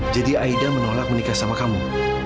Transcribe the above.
aida menolak menikah sama kamu